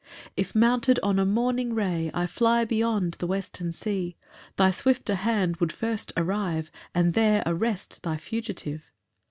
8 If mounted on a morning ray, I fly beyond the western sea, Thy swifter hand would first arrive, And there arrest thy fugitive.